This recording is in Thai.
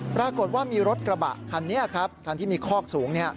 ปรากฏว่ามีรถกระบะคันนี้ครับคันที่มีคอกสูง